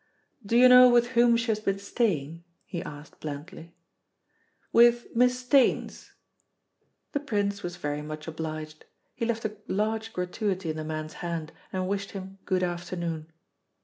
"Do you know with whom she has been staying?" he asked blandly. "With Miss Staines." The Prince was very much obliged. He left a large gratuity in the man's hand, and wished him good afternoon.